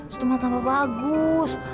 justru malah tampak bagus